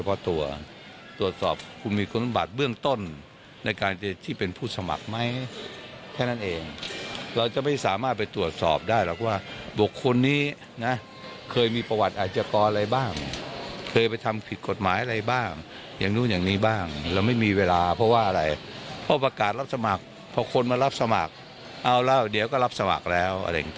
เพราะตัวตรวจสอบคุณมีคุณบัตรเบื้องต้นในการที่เป็นผู้สมัครไหมแค่นั้นเองเราจะไม่สามารถไปตรวจสอบได้หรอกว่าบุคคลนี้นะเคยมีประวัติอาชกรอะไรบ้างเคยไปทำผิดกฎหมายอะไรบ้างอย่างนู้นอย่างนี้บ้างเราไม่มีเวลาเพราะว่าอะไรเพราะประกาศรับสมัครพอคนมารับสมัครเอาแล้วเดี๋ยวก็รับสมัครแล้วอะไรอย่างนี้